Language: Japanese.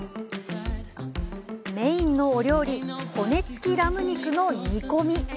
メインのお料理、骨つきラム肉の煮込み。